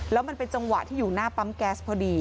แล้วมันเป็นจังหวะที่อยู่หน้าปั๊มแก๊สพอดี